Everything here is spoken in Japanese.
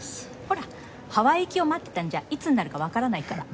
ほらハワイ行きを待ってたんじゃいつになるかわからないから。